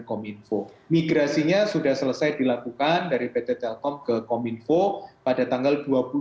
kominfo migrasinya sudah selesai dilakukan dari pt telkom ke kominfo pada tanggal